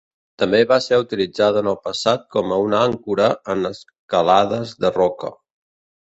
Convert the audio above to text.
També va ser utilitzada en el passat com una àncora en escalades de roca.